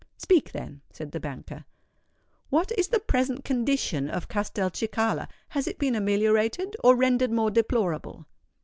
"Speak, then," said the banker. "What is the present condition of Castelcicala? has it been ameliorated, or rendered more deplorable?"